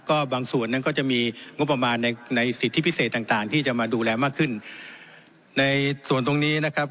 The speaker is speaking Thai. ก็บางส่วนนั้นก็จะมีงบประมาณในในสิทธิพิเศษต่างต่างที่จะมาดูแลมากขึ้นในส่วนตรงนี้นะครับ